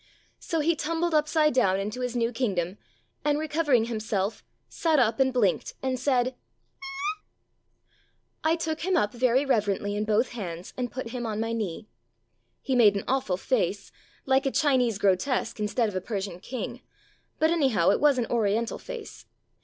So he tumbled upside down into his new kingdom, and, recovering himself, sat up and blinked, and said, "Ah h h." I took him up very reverently in both hands, and put him on my knee. He made an awful face, like a Chinese grotesque in stead of a Persian king, but anyhow it was an Oriental face.